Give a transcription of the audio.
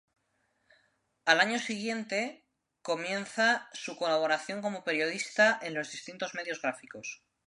Al año siguiente comienza su colaboración como periodista en distintos medios gráficos.